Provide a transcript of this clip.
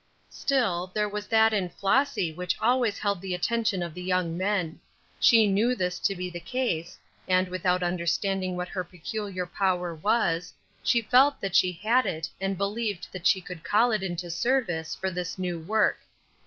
Still, there was that in Flossy which always held the attention of the young men; she knew this to be the case, and, without understanding what her peculiar power was, she felt that she had it, and believed that she could call it into service for this new work.